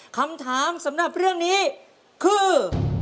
คำถามสำหรับเรื่องนี้คือ